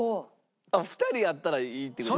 ２人やったらいいって事？